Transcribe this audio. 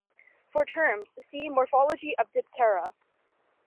For terms, see Morphology of Diptera.